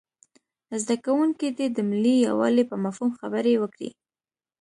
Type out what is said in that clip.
زده کوونکي دې د ملي یووالي په مفهوم خبرې وکړي.